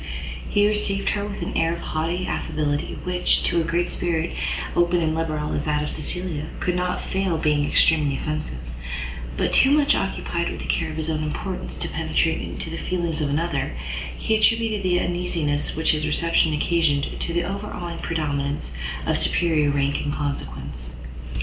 He received her with an air of haughty affability which, to a spirit open and liberal as that of Cecilia, could not fail being extremely offensive; but too much occupied with the care of his own importance to penetrate into the feelings of another, he attributed the uneasiness which his reception occasioned to the overawing predominance of superior rank and consequence.